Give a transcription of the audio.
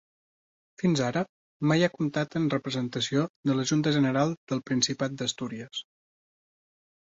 Fins ara mai ha comptat amb representació en la Junta General del Principat d'Astúries.